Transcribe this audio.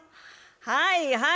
はいはい。